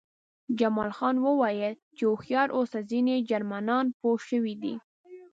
جمال خان وویل چې هوښیار اوسه ځینې جرمنان پوه شوي دي